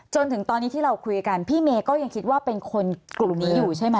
จนถึงตอนนี้ที่เราคุยกันพี่เมย์ก็ยังคิดว่าเป็นคนกลุ่มนี้อยู่ใช่ไหม